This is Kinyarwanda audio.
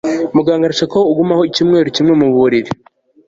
muganga arashaka ko ugumaho icyumweru kimwe mu buriri